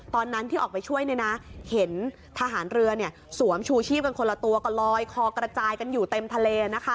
ตอนนั้นที่ออกไปช่วยเนี่ยนะเห็นทหารเรือสวมชูชีพกันคนละตัวก็ลอยคอกระจายกันอยู่เต็มทะเลนะคะ